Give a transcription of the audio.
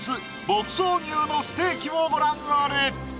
牧草牛のステーキをご覧あれ！